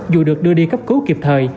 dù được đưa đi cấp cứu kịp thời